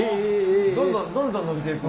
どんどんどんどん伸びていく。